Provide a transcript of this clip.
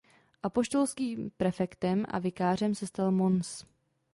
Apoštolským prefektem a vikářem se stal Mons.